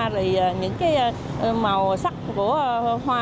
rồi những cái màu sắc của hoa